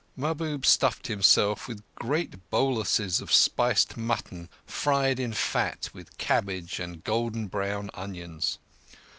Mahbub stuffed himself with great boluses of spiced mutton fried in fat with cabbage and golden brown onions.